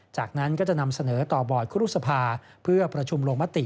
จากนั้นก็จะนำเสนอต่อบอร์ดครูสภาเพื่อประชุมลงมติ